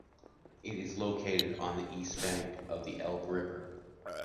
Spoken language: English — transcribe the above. It is located on the east bank of the Elbe River.